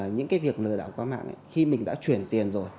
những cái việc lừa đảo qua mạng khi mình đã chuyển tiền rồi